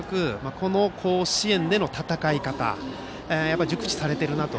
この甲子園での戦い方をやっぱり熟知されているなと。